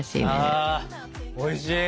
あおいしい。